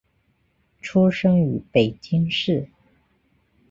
出生于北京市。